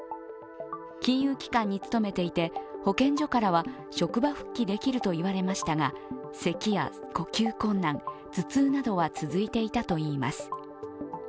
金融機関に勤めていて、保健所からは職場復帰できると言われましたがせきや呼吸困難頭痛などは続いていたといいます。